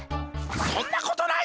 そんなことない！